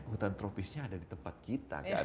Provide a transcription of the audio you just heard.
hutan tropisnya ada di tempat kita kan